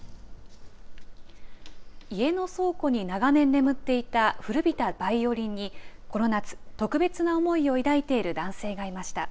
家の倉庫に長年眠っていた古びたバイオリンにこの夏、特別な思いを抱いている男性がいました。